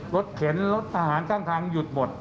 รถเข็นรถอาหารทางหยุดหมด